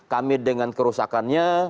kami dengan kerusakannya